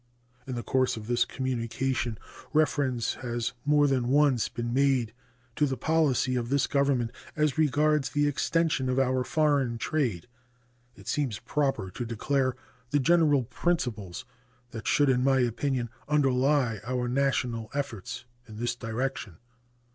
In the course of this communication reference has more than once been made to the policy of this Government as regards the extension of our foreign trade. It seems proper to declare the general principles that should, in my opinion, underlie our national efforts in this direction.